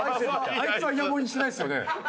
あいつはイヤモニしてないですよね。